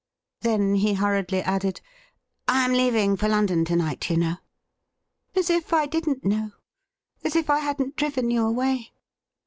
Then he hurriedly added :' I am leaving for London to night, you know.' ' As if I didn't know ! As if I hadn't driven you away